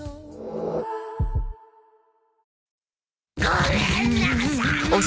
ごめんなさい！